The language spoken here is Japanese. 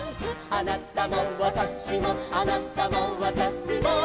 「あなたもわたしもあなたもわたしも」